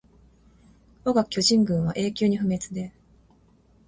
わが巨人軍は永久に不滅です